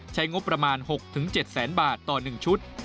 ใช้งบประมาณ๖๗แสนบาทต่อ๑ชุด